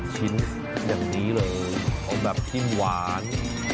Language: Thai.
ชิ้นแบบนี้เลยเอาแบบจิ้มหวาน